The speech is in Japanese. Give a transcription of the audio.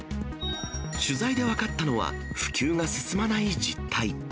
取材で分かったのは、普及が進まない実態。